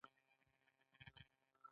هغه شیان په نا توقعي شکل بدلیږي.